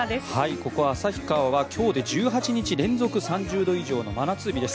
ここ、旭川は今日で１８日連続の３０度以上の真夏日です。